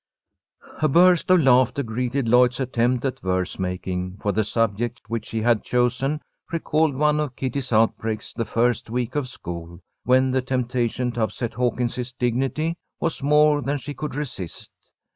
A burst of laughter greeted Lloyd's attempt at verse making, for the subject which she had chosen recalled one of Kitty's outbreaks the first week of school, when the temptation to upset Hawkins's dignity was more than she could resist.